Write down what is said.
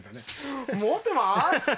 持っています！